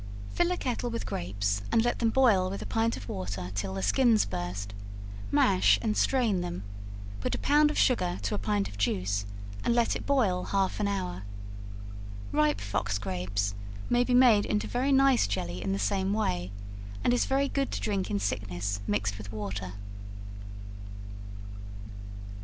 Fill a kettle with grapes, and let them boil with a pint of water till the skins burst, mash and strain them, put a pound of sugar to a pint of juice, and let it boil half and hour. Ripe fox grapes may be made into very nice jelly in the same way, and is very good to drink in sickness, mixed with water.